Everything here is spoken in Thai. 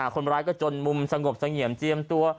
คนร้ายก็จนมุมสงบเสงี่ยมเจียมตัว